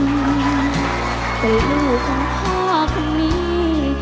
แต่ลูกของพ่อคนนี้